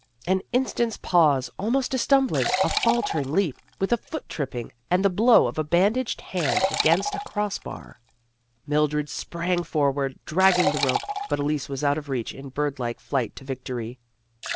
An in stant's pause, almost a stumbling, a falter ing leap, with a foot tripping, and the blow of a bandaged hand against a cross bar. Mildred sprang forward, dragging the rope, but Elise was out of reach in bird like flight to victory.